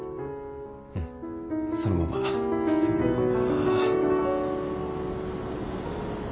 うんそのままそのまま。